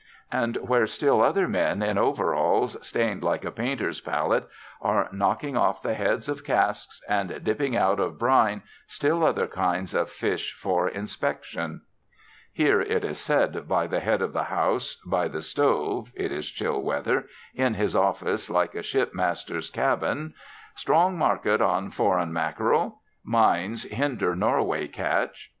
And where still other men, in overalls stained like a painter's palette, are knocking off the heads of casks and dipping out of brine still other kinds of fish for inspection. Here it is said by the head of the house, by the stove (it is chill weather) in his office like a ship master's cabin: "Strong market on foreign mackerel. Mines hinder Norway catch.